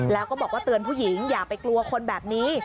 แล้วก็บอกว่าเตือนผู้หญิงอย่าไปกลัวคนแบบนี้